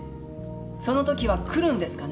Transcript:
そのときは来るんですかね？